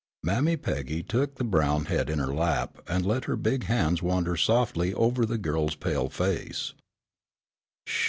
Mammy Peggy took the brown head in her lap and let her big hands wander softly over the girl's pale face.